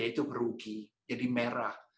yaitu rugi jadi merah